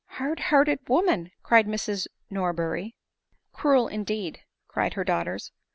" Hard hearted woman !" cried Mrs Norberry. " Cruel, indeed !" cried her daughters.